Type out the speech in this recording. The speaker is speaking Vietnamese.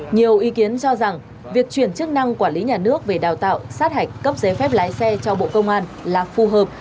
nhiều ý kiến cho rằng việc chuyển chức năng quản lý nhà nước về đào tạo sát hạch cấp giấy phép lái xe cho bộ công an là phù hợp